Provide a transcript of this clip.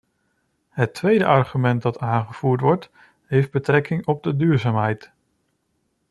Het tweede argument dat aangevoerd wordt, heeft betrekking op de duurzaamheid.